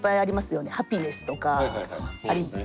ハピネスとかありますよね。